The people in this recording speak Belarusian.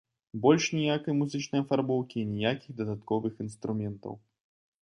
Больш ніякай музычнай афарбоўкі і ніякіх дадатковых інструментаў.